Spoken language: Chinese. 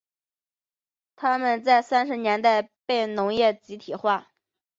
他们在三十年代被农业集体化。